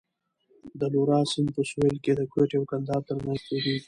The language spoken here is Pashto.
د لورا سیند په سوېل کې د کویټې او کندهار ترمنځ تېرېږي.